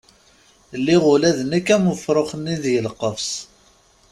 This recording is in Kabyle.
Lliɣ ula d nekk am ufrux-nni deg lqefs.